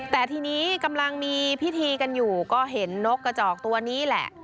แต่ทีนี้กำลังมีพิธีกันอยู่ก็เห็นนกกระจอกตัวนี้แหละ